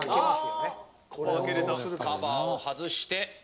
カバーを外して